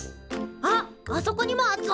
あっあそこにもあっぞ！